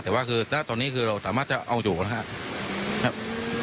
แต่ว่าคือตอนนี้คือเราสามารถจะเอาอยู่นะครับ